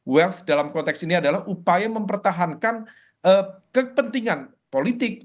welf dalam konteks ini adalah upaya mempertahankan kepentingan politik